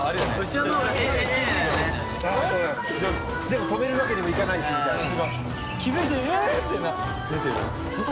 でも止めるわけにもいかないしみたいな。